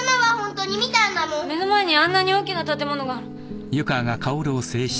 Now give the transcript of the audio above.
目の前にあんなに大きな建物が。